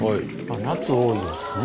夏多いですね。